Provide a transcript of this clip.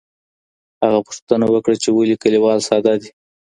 هغه پوښتنه وکړه چي ولي کليوال ساده دي.